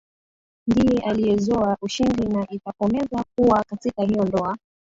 ndiye aliyezoa ushindi na itakomeza kuwa katika hiyo ndoa